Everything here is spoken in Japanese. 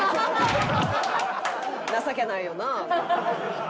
情けないよなあ。